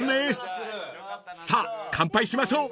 ［さあ乾杯しましょう］